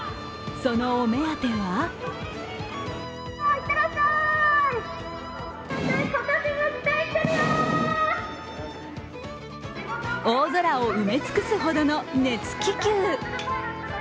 そのお目当ては大空を埋め尽くすほどの熱気球。